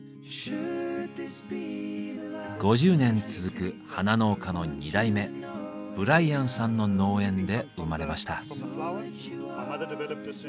５０年続く花農家の二代目ブライアンさんの農園で生まれました。